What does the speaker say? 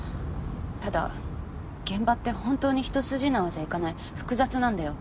ただ現場って本当に一筋縄じゃいかない複雑なんだよ。